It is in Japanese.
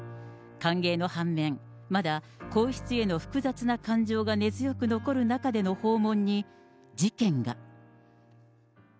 歓迎の反面、まだ皇室への複雑な感情が根強く残る中での訪問に事件が。